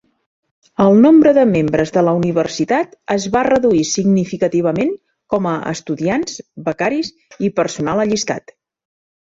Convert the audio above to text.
El nombre de membres de la Universitat es va reduir significativament com a estudiants, becaris i personal allistat.